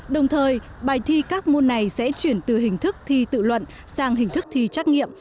đồng thời bài thi các môn này sẽ chuyển từ hình thức thi tự luận sang hình thức thi trắc nghiệm